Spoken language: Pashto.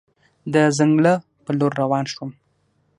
د ځنګله په لور روان شوم.